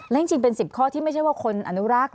และจริงเป็น๑๐ข้อที่ไม่ใช่ว่าคนอนุรักษ์